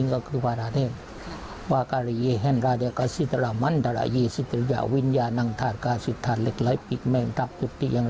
นี่คือเสียงที่พระอำนาจสวดภาษาเทพให้เราฟัง